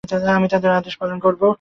আমি তাঁর আদেশ পালন করব।